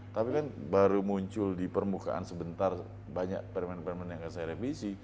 tapi kan baru muncul di permukaan sebentar banyak permain permain yang saya revisi